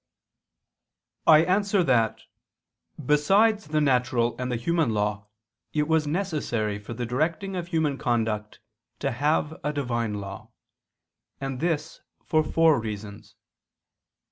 I answer that, Besides the natural and the human law it was necessary for the directing of human conduct to have a Divine law. And this for four reasons.